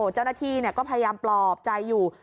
เจ้าหน้าที่ก็พยายามปลอบใจอยู่